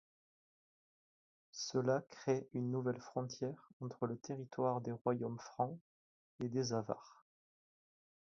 Cela crée une nouvelle frontière entre le territoire des royaumes francs et des Avars.